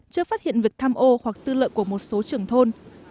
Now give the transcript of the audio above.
chưa phát hiện việc tham ô hoặc tư lợi của một số trưởng thôn